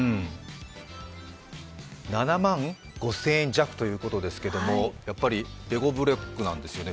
７万５０００円弱ということですけれどもやっぱりレゴブロックなんですよね。